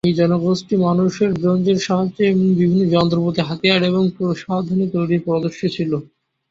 এই জনগোষ্ঠীর মানুষজন ব্রোঞ্জের সাহায্যে বিভিন্ন যন্ত্রপাতি, হাতিয়ার এবং প্রসাধনী তৈরিতে পারদর্শী ছিল।